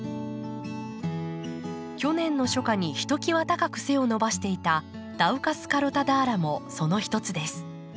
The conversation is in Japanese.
去年の初夏にひときわ高く背を伸ばしていたダウカスカロタ‘ダーラ’もその一つです。